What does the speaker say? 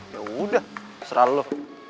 yaudah terserah lo